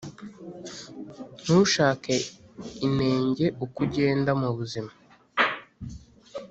ntushake inenge uko ugenda m’ubuzima;